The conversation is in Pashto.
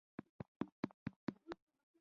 د ځمکې د قُلبې لپاره د ټکنالوژۍ ترویج ناکام شو.